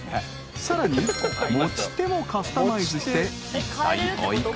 ［さらに持ち手もカスタマイズしていったいお幾ら？］